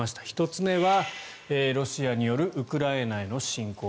１つ目はロシアによるウクライナへの侵攻。